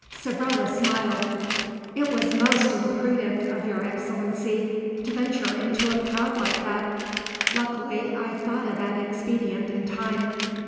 Savrola smiled. "It was most imprudent of your Excellency to venture into a crowd like that. Luckily I thought of an expedient in time.